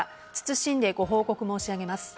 謹んでご報告申し上げます。